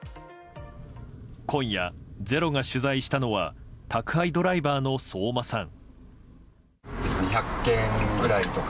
今夜、「ｚｅｒｏ」が取材したのは宅配ドライバーの相馬さん。